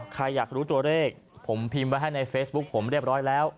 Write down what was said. ใครอยากรู้ตัวเลขผมพิมพ์ไว้ให้ในเฟซบุ๊คผมเรียบร้อยแล้ว